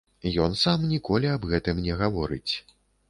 Ён сам ніколі аб гэтым не гаворыць.